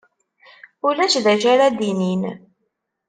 Ulac d acu ara d-inin.